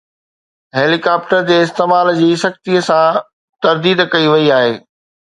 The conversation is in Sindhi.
هيلي ڪاپٽر جي استعمال جي سختي سان ترديد ڪئي وئي آهي